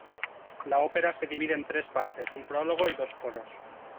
La ópera se divide en tres partes: un prólogo y dos coros.